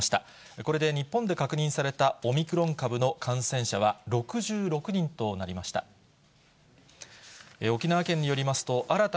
これで日本で確認されたオミクロン株の感染者は６６人となりました。